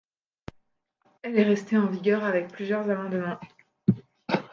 Elle est restée en vigueur avec plusieurs amendements.